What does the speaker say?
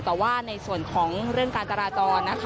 แต่ว่าในส่วนของเรื่องการจราจรนะคะ